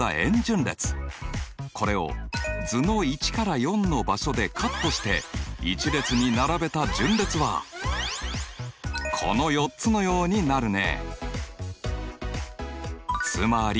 これを図の１から４の場所でカットして一列に並べた順列はこの４つのようになるね。